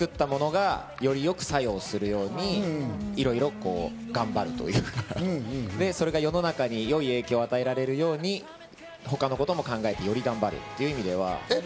自分が作ったものがよりよく作用するようにいろいろ頑張るというか、それが世の中に良い影響を与えられるように他のことも考えて、より頑張るという意味では。